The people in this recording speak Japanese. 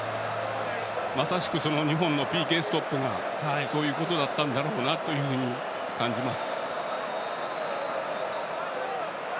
まさしく２本のＰＫストップがそういうことだったんだろうなと思います。